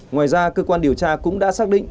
ngoài ra cơ quan điều tra cũng đã xác định